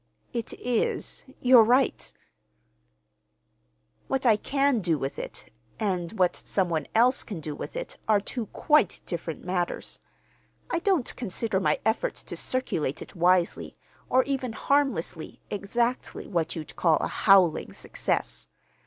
"It is. You're right." "What I can do with it, and what some one else can do with it, are two quite different matters. I don't consider my efforts to circulate it wisely, or even harmlessly, exactly what you'd call a howling success.